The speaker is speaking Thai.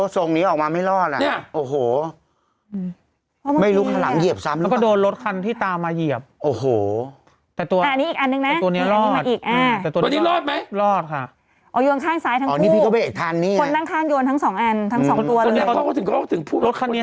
ทั้งสองแอนทั้งสองตัวเลยงี้เขาถึงก็ถึงพูดรถคันนี้